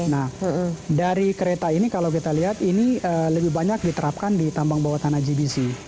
nah dari kereta ini kalau kita lihat ini lebih banyak diterapkan di tambang bawah tanah gbc